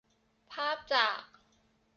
ภาพจาก